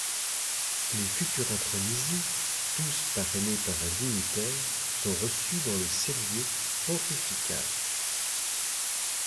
Les futurs intronisés, tous parrainés par un dignitaire, sont reçus dans le cellier pontifical.